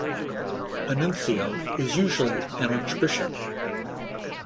A nuncio is usually an archbishop.